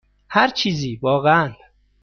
هر چیزی، واقعا.